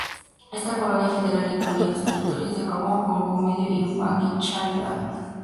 Esta colonia federal incluía los territorios de: Gabón, Congo-Medio, y Ubangui-Chari-Chad.